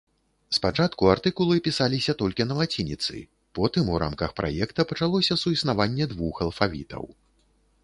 Спачатку артыкулы пісаліся толькі на лацініцы, потым у рамках праекта пачалося суіснаванне двух алфавітаў.